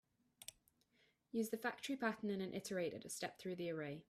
Use the factory pattern and an iterator to step through the array.